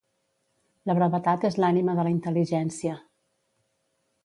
La brevetat és l'ànima de la intel·ligència.